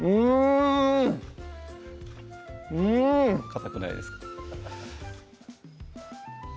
かたくないですか？